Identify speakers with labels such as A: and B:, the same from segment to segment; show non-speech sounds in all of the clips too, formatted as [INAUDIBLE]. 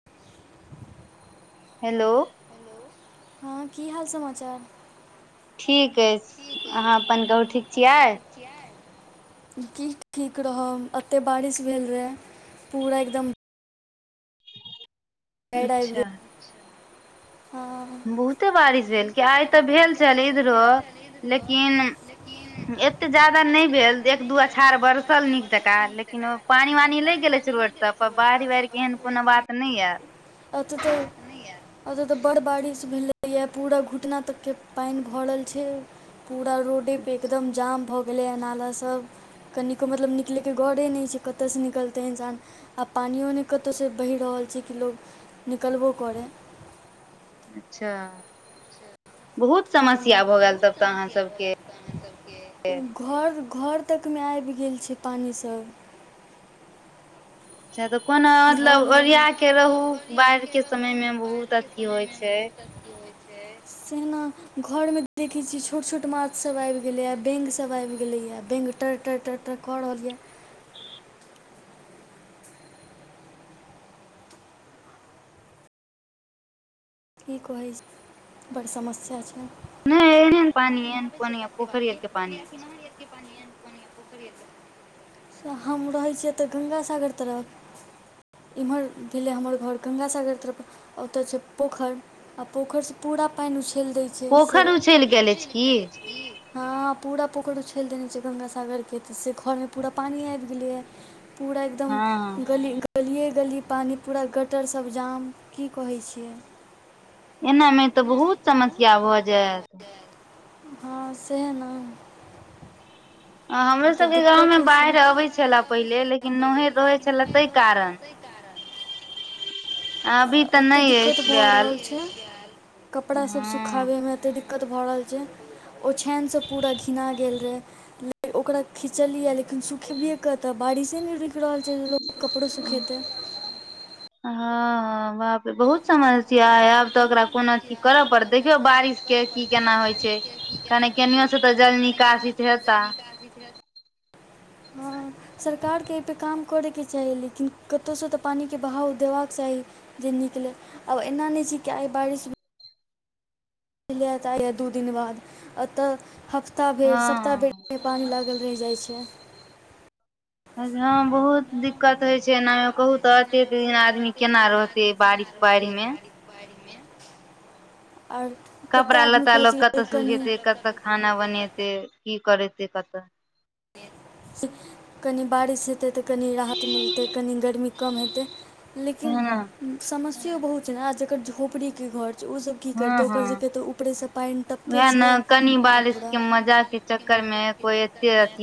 A: [INAUDIBLE]
B: hello
A: हँ की हाल समाचार
B: ठीक अय अहाँ अपन कहहु ठीक छियै
A: [INAUDIBLE] की ठीक रहब अते बारिश भेल रहै पूरा एकदम
B: अच्छा
A: हँ
B: बहुते बारिश भेल कि आइ त भेल छल इधरो लेकिन एते जादा नहि भेल एक दू अछाड़ बरसल नीक जकाँ लेकिन पानी वानी ल गेले छै रोड सब पर बाढ़ि बाढ़ के एहन कोनो बात नहि एल
A: अत त अतय तऽ बड़ बारिश भेलैया पूरा घुटना तक के पानि भरल छय पूरा रोडेपर एकदम जाम भऽ गेलै नाला सब कनिको मतलब निकलैके घरे नै छै कतयसँ निकलतै इन्सान आ पानियो नै कतहुसँ बहि रहल छै कि लोक निकलबो करय
B: अच्छा
A: हँ बहुत समस्या भ जायत अहाँ सबके घर घर तकमे आइव गेल छै पानि सब
B: अच्छा त कोनो मतलब ओरिया के रहु बाढ़ि के समय में बहुत अथी होइ छै
A: [INAUDIBLE] सेना घर में देखे छी छोट छोट माछ सब आबि गेले या बैंंग सब आबि गेले या बैंंग टर टर टर कर रहलियै की कहै छ बड़ समस्या छै
B: नै एहन पानी एहन पान पोखरि आर के पानी
A: हम रहै छी एत गंगासागर तरफ एम्हर भेलै हमर घर गंगा सागर तरफ अ ओतयसँ पोखर आ पोखर से पूरा पानि उछैल देय छै
B: पोखइर उछैलि गेले छै की
A: हँ पूरा पोखरि उछलि देने छै गंगासागरके तऽ से घरमे पूरा पानि आबि गेलै ये पूरा एकदम गली गलिये गली पानी पूरा गटर सब जाम की कहय छियै
B: एना में तऽ बहुत समस्या भऽ जायत
A: हँ सेहे न
B: हमरो सब के गाँव में बाइढ़ आबे छै चला पहिले लेकिन नहर रहै छलै ताहि कारण
A: अ एते दिक्कत भए रहल छै कपड़ा सब सुखवय सुखाबैमें एते दिक्कत भऽ रहल छै ओछैनिसँ पूरा घिना गेल रहै ओकरा खिचलिय लेकिन सुखेबिये कतअ बारिशे नहि रुकि रहल छै जे लोक कपड़ो सुखेत
B: हँ हँ बाप रे बहुत समस्या है आब तऽ ओकरा कोनो अथी करऽ पड़त देखियौ बारिश के की केना होइ छै कने केनो से तऽ जल निकासित हेता
A: भी [INAUDIBLE] [INAUDIBLE] हँ [INAUDIBLE] [INAUDIBLE] सरकारके एहिपर काम करयके चाही लेकिन कतहुसँ तऽ पानिके बहाव देबाक चाही जे निकलै आब एना नहि छै कि आइ बारिश हेलै यै त आइय दू दिन बाद एतऽ हप्ता भरि सप्ताह भरि पानि लागल रहि जाइ छै
B: ह बहुत दिक्कत होइ छै एना मे कहू त एते द दमी केना रहते बारिश बाढ़ि में
A: आओर [UNINTELLIGIBLE]
B: कपड़ा लत्ता लोक कतऽ सुखेते कतऽ खाना बनेतै की करेते कतऽ
A: कनि बारिश हेतै तऽ कनि राहत मिलतै कनि गर्मी कम हेतै लेकिन समस्यो बहुत छै ने आ जेकर झोपड़ी के घर छै ओसभ की करतौ ओकर सब के तऽ ऊपरेसँ पानि टपकेै छै आ पूरा
B: घरमे कोइ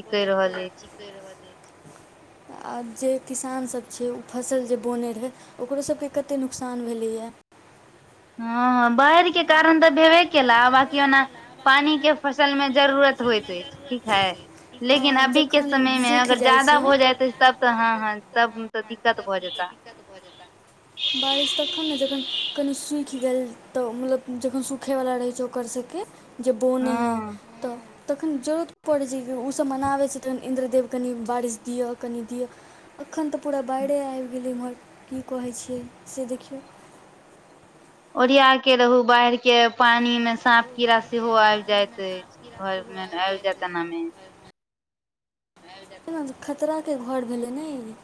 A: व्यक्त र परब [UNINTELLIGIBLE] [UNINTELLIGIBLE] आ जे किसानसभ छै ओ फसल जे बोने रहै ओकरोसभके कतेक नुकसान भेलैए
B: हँ ह बाहिर के कारण तऽ भेबे केला बकि ओना पानी के फसल मे जरूरत होइत अछि ठीक है लेकिन अभी के समय में अगर ज्यादा हो जाय तऽ तब तऽ हँ हँ तब तऽ दिक्कत भऽ जेता
A: दिक्कत भऽ जेता बारिश तखन ने जखन कनि सूखि गेल तऽ मतलब जखन सूखयवला रहै छै ओकर सभके जे बो नहि है तऽ तखन जरूत पड़ैत छै ओ सभ मनाबै छै तखन इन्द्रदेव कनि बारिश दिअ कनि दिअ एखन तऽ पूरा बाढ़िे आबि गेलै एमहर की कहैत छियै से देखियौ
B: ओरिया के रहु बाढ़ के पानी मे साँप कीड़ा सेहो आबि जाइत अछि घरमे आब जात एना मे
A: खतरा के घर भेलै ने ई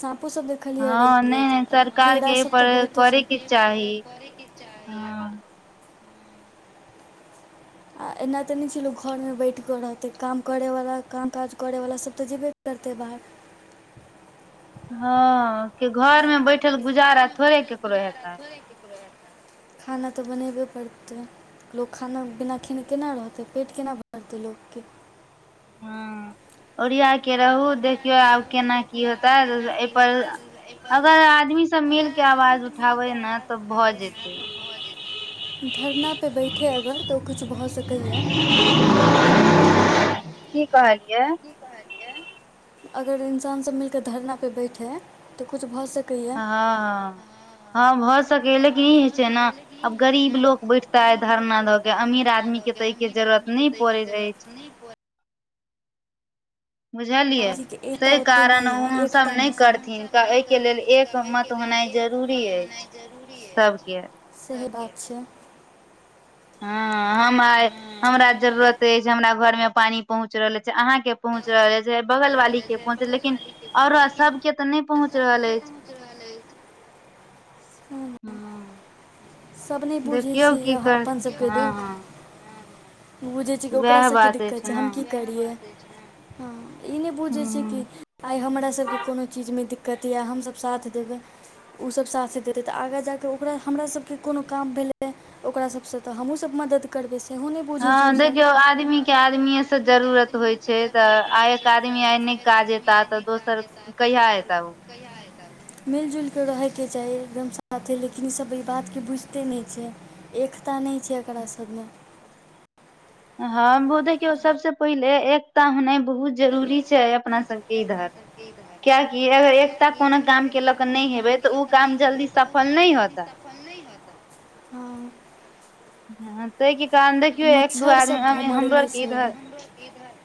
A: सापू सब देख
B: हँ नहि नहि सरकार के एहि पर करेके चाही हँ
A: आ एना तऽ नहि छै लोक घरमे बैठ कऽ रहतै काम करैवला काम काज करैवला सभ तऽ जेबे करतै बाहर
B: हँ कि घर में बैठल गुजारा थोड़े ककरो हेतै
A: खाना तऽ बनबे पड़तै लोक खाना बिना खेने केना रहतै पेट केना भरतै लोक के
B: ओरिया के रहू देखियौ आब केना की होते एहिपर अगर आदमी सब मिल के आवाज उठाबै ने तऽ भऽ जेतै
A: धरना पे बैठे अगर तऽ ओ कछु भऽ सकैएा
B: [UNINTELLIGIBLE] [UNINTELLIGIBLE] की कहलियऐ
A: अगर इन्सान सब मिलके धरना पे बैठे त कुछ भ सके
B: हँ हँ हँ भऽ सकै लेकिन ई होइ छै न अब गरीब लोक बैठता है धरना धऽ के अमीर आदमी के तऽ एहिके जरूरत नहि पड़ैत अछि बुझलियै ताहि कारण ओ सब नहि करथिन ओहि के लेल मत होनाइ जरूरी अछि सबके
A: सही बात छै
B: हँ हम हमरा जरूरत अछि छै हमरा घर मे पानि पहुँच रहल छै अहाँ के पहुँच रहल छै बगल वाली के पहुँच रहल लेकिन ओर सबके त नइ पहुच रहल अछि
A: सभ नहबुझै छै अपन सभके दुःख बुझै छै कि ओकरा सबके दिक्कत छै हम की करियै हँ ई नै बुझै छै कि आइ हमरा सभके कोनो चीज मे दिक्कत यऽ हम सभ साथ देबै उ सभ साथे देतै तऽ आगाँ जााकऽ ओकरा हमरा सभ कि कोनो काम भेलै ओकरा सबसँ तऽ हमहु सब मदद कर बै सेहो ने भुझ
B: हँ देखियौ आदमी के आदमीे से जरूरत होइ छइ त आई एक आदमी आइ नहि काज एता तऽ दोसर कहिया एता ओ
A: मिल जुल क रहै के चाही एकदम साथे लेकिन ई सब बातके बुझते नहि छै एकता नहि छै एकरा सब में
B: हँ बो देखियौ सब से पहिले एकता होनाइ बहुत जरूरी छै अपना सबके इधर कियेकि अगर एकता कोनो काम के लऽ क नहि हेबै तऽ ओ काम जल्दी सफल नहि होता
A: हँ
B: ह तहि के कारण देखियौ एक दू आदमी हमरो आरके इधर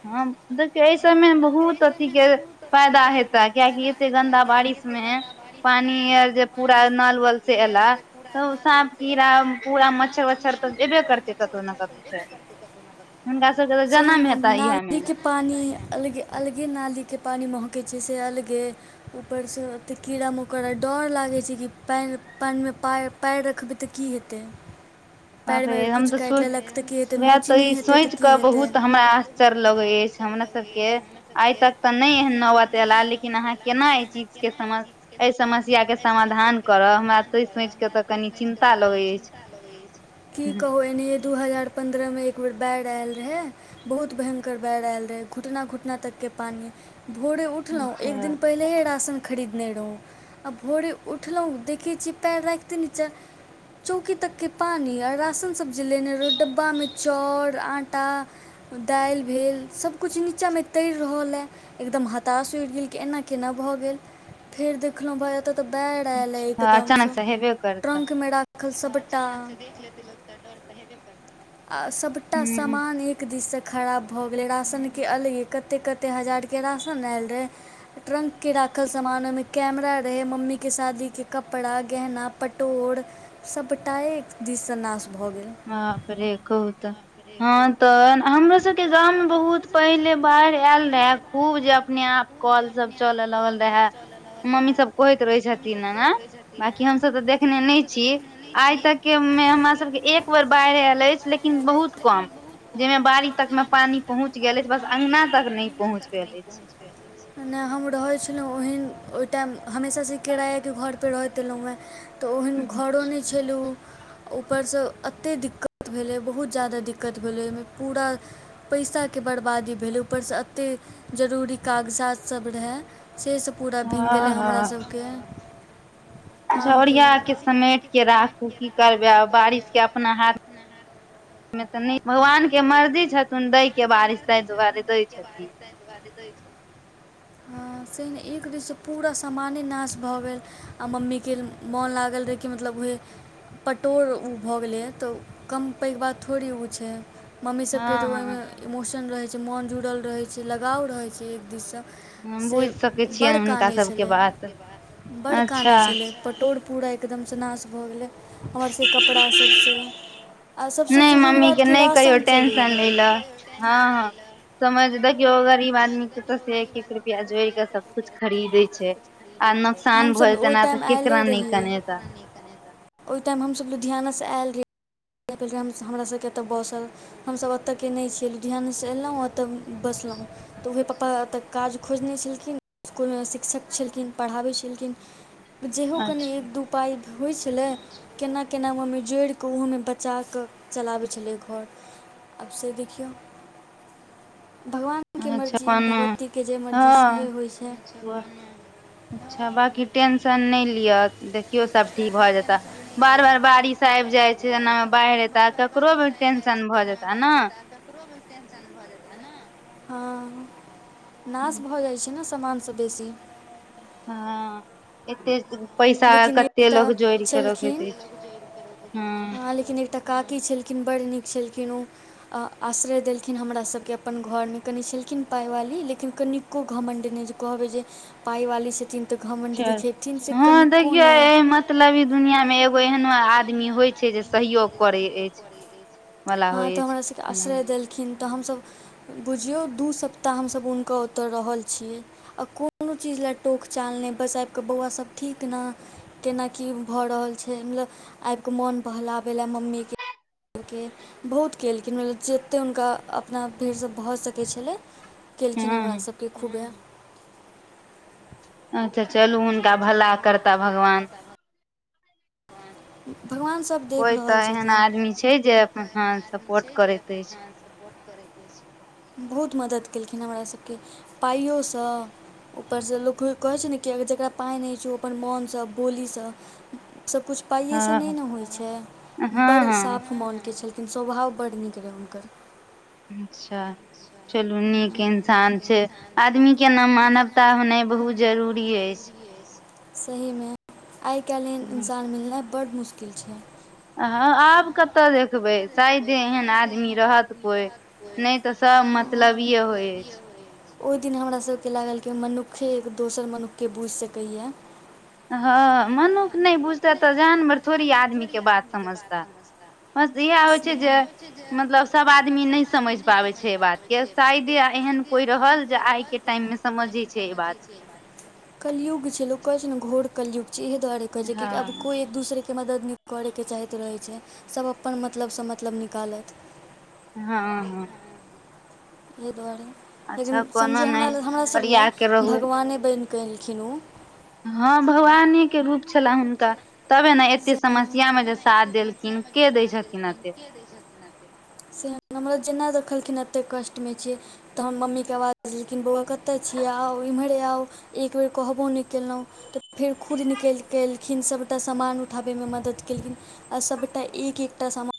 B: हँ देख एहि समय बहुत अथी के फायदा हेता कियकि एते गन्दा बारिश मे पानी आर जे पूरा नल वल से एला त सांप कीड़ा पूरा मच्छर वच् चर तऽ जेबे करतै कतहु ने कतहु से हुनका सबके तऽ जनम हेता इह मे
A: पानि अलगे अलगे नाली के पानि महकै छै से अलगे ऊपर स ओतेक कीड़ा मकोड़ा डर लागैत छै कि पानि पानि मे पाइ पैर रखबै त की हेतै
B: आबे हम तऽ सोच वएह तऽ ई सोचि कऽ बहुत हमरा चर लगै अछि हमरा सब के आइ तक त नहि एहन नौबत एला लेकिन अहाँ केना एहि चीज के समझ एहि समस्या के समाधान कर हमरा सोच के त कनी चिन्ता लगै अछि
A: की कहू एनाहि दू हजार पन्द्रहमे एक बेर बैढ़ एल रहै बहुत भयंकर बाइढ़ आयल रहै घुटना घुटना तक के पानि भोरे उठलहुँ एक दिन पहिलेहे राशन खरीदने रहौँ आ भोरे उठलहुँ देखै छी पैर राखिते नीचा चौकी तक के पानि आ राशन सब जे लेने रहौ डब्बा मे चौर आटा दाइलभेल सभ क नीचाँ मे त्यर रहल हए एकदम हताश उड़ि गेल कि एना केना भ गेल फेर देखलहुँ भ त बैढ़ आयले एकदम स ट्रंक मे रख खल सबटा आ सबटा सामान एक दिसक खराब भ गेलय राशन के अलगे कतेक कतेक हजार के राशन आयल रहै ट्रंक के राखल समान ओमें कैमरा रहय मम्मी के शादी के कपड़ा गहना पटोर सबटाए एकदिस सँ नाश भ गेल
B: हँ बरे कहू त हँ त हमरो सबके गाँंव में बहुत पहिले बाढ़ि आयल रहे खूब जे अपने आप कल सब चलय लगल रहै मम्मी सब कहैत रहे छथिन ओना बांकी हमसभ तऽ देखने नहि छीय आय तक के मे हमरा सबके एक बर बाढ़ि आयल अछि लेकिन बहुत कम जहिमे बाड़ी तक में पानी पहुँच गेल अछि बस अंगना तक नहि पहुँच पेले
A: न हम रहै छलहुँ ओहन ओहि टाइम हमेशा सँ किराया के घरपर रहैत एलहुँ है त ओहन घरो नै छलै उ ऊपर स एतेक दिक्कत भेलै बहुत ज्यादा दिक्कत भेलै ओहिमे पूरा पैसा के बर्बादी भेल ऊपर स एतेक जरूरी काग जात सब रहै से सब पूरा भींग गेलै हमरा सबके
B: झोरिया के समेट क राखू की करबै आ बारिश के अपना हाथ में त नहि भगवान के मर्जी छथिन दय के बारिश ताहि दुआरे दै छथिन
A: हँ से नै एक दिन सँ पूरा सामाने नाश भ गेल आ मम्मी के मोन लागल रहै कि मतलब उह पटोर उ भ गेलैए त कम पै के बाद थोड़े ओ छै मम्मी सबके त ओहिमे इमोशन रहैत छै मोन जुड़ल रहैत छै लगाव रहैत छै एक दिससँ से बड़ कानै छलय बड़ कानै छलै पटोर पूरा एकदम स नाश भ गेलै हमर सभके कपड़ा सभ स आ सभ सँ जरूरी बात कि राशन चलि गेलै हँ
B: हँ हँ समझ देखियौ गरीब आदमी के त से एक एक रुपआ जोइड़ क सब कुछ खरीदे छै आ नुकसान भ जेते न त केकरा न कनेता
A: ओहि टाइम हमसब लुधियाना स से आयल रयै इर हमरा सबके त बहुत सा हमसब ओतयके नहि छियै ल लुधियाना से अयलहुँ आ ओतय बसलहुँ त उएह पप्पा तऽ काज खोजने छलखिन इस्कुल मे शिक्षक छलखिन पढ़ाबै छलखिन जेहो कनि एक दू पाइ होइत छलै केना केना ओहिमे जोड़ि क ओहोमे चा क चलाबै छलै घर आब से देखियौ भगवान के मर्जी भगवती के जे मर्जी सेहे होई छै
B: अच्छा बाँकी टेंशन नै लिअ देखियौ सभ ठीक भ जेतह बार बार बारिश आइब जाइ छै एनामे बाढ़ एता ककरो भी टेंशन भ जेता न
A: हँ नाश भ जाइ छै ने समानसँ बेसी
B: हँ एते पैसा कते लोग जोड़ केे रखैत अछि हँ
A: लेकिन एकटा काकी छलखिन बड़ नीक छलखिन ओ आश्रय देलखिन हमरासभके अपन घरमे कनि छलखिन पाइवाली लेकिन कभि एक्को घमण्ड नहि जे कहबै जे पाइवाली छथिन तऽ घमण्ड देखेथिन से कनिक
B: इयै मतलब ई दुनिया मे एगो एहनो आदमी होइ छै जे सहयोग करे अछि
A: हँ त हमरा सबके आश्रय देलखिन त हमसभ बुझियौ दू सप्ताह हमसभ हुनकर ओत रहल छीयै आ कोनो चीज लए टोकचाल नै बस आबि कऽ बौआसब ठीक ने केना की भ रहल छै मतलब आइब कऽ मोन बहलाबै लए मम्मीके बहुत केलखिन म जते हुनका अपना भीड़सँ भऽ सकै छलै केलखिन हमरा सबके खूबे
B: अच्छा चलू हुनका भला करता भगवान
A: भगवान सब
B: कोई तऽ एहन आदमी छै जे अपन ह सपोर्ट करैत अछि
A: बहुत मदद केलखिन हमर सभके पाइयोसँ ऊपरसँ लोक कहै छै ने कि जकरा पाइ नहि होइत छै ओ अपन मोनसँ बोलीसँ सबकुछ पाइएसँ नहि ने होइ छै बड़ साफ मोनकके छलखिन स्वभाव बड नीक रहै हुनकर
B: अच्छा चलू नीक इंसान छै आदमी के ने मानवता होनाइ बहुत जरूरी अछि
A: सहीमे आइ काल्हि एन इंसान मिलनाइ बड्ड मुश्किल छै
B: ह आब कतऽ देखबै
A: देख जे एहन आदमी रहत कोइ मतलब होइ [INAUDIBLE] ओहि दिन हमरा सबके लागल कि मनुखे एक दोसर मनुख के बुझि सकैए
B: हँ मनुख नहि बुझते तऽ जानवर थोड़ी आदमी के बात समझता इहा होइ छै जे मतलब सब आदमी नहि समझ पाबै छै एहि बात के शायद एहन कोई रहल जे आइ के टाइम मे समझे छै ए बात के
A: कलयुग छै लोग कहै छै ने घोर कलियुग छै इ दुआरे कहे छै आब कोई एक दोसरे के के मदद करैके चाहैत रहै छै सभ अपन मतलबसँ मतलब निकाले
B: हँ
A: एहि दुआरे लेकिन समझियौ हमरा हमरासभ लेए भगवाने बनि कऽ एलखिन ओ
B: हँ भगवाने के रूप छलाह हुनका तबे ने एते समस्या मे जे साथ देलखिन के दै छथिन एते
A: से हमरा जेना देखलखिन एते कष्टमे छियै तऽ हम मम्मीके आवाज लेकिन बौआ कतऽ छियै आउ एम्हरे आउ एकबेर कहबो नहि केलखिन तऽ फेर खुद निकलि कऽ अयलखिन सभटा सामान उठाबैमे मदद केलखिन सबटा एक एकटा सम